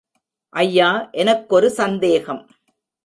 ஐயா எனக்கொரு சந்தேகம்.